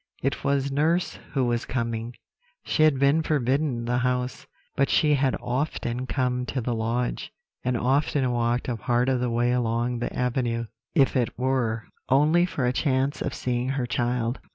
"It was nurse who was coming; she had been forbidden the house; but she had often come to the lodge, and often walked a part of the way along the avenue, if it were only for a chance of seeing her child.